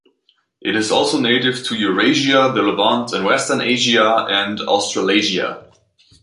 It is also native to Eurasia, the Levant in Western Asia, and Australasia.